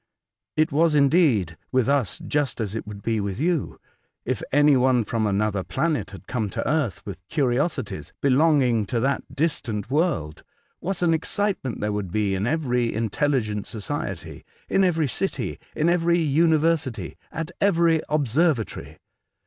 It was, indeed, with us just as it would be with you, if any one from another planet had come to earth with curiosities belonging to that distant world; what an excitement there would be in every intelligent society, in every city, in every university, at every observatory